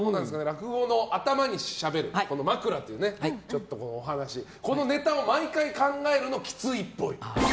落語の頭にしゃべる枕というお話がありますがこのネタを毎回考えるのキツいっぽい。